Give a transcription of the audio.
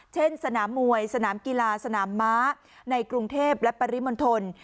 สนามมวยสนามกีฬาสนามม้าในกรุงเทพและปริมณฑล